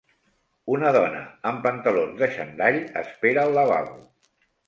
Una dona amb pantalons de xandall espera al lavabo.